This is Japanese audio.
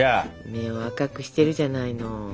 目を赤くしてるじゃないの。